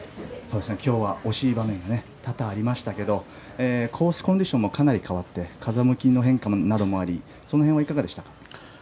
今日は惜しい場面が多々ありましたけどコースコンディションもかなり変わって風向きの変化などもありその辺はいかがでしたか？